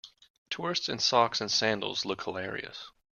Tourists in socks and sandals look hilarious.